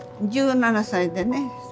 １７歳でね